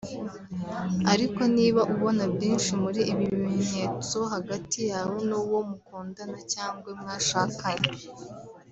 Ariko niba ubona byinshi muri ibi bimenyetso hagati yawe n’uwo mukundana cyangwa mwashakanye